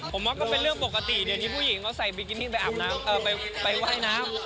ผมว่าก็เป็นเรื่องปกติเดี่ยวที่ผู้หญิงเขาใส่บิ้คินนิ่งไปอาบน้ำ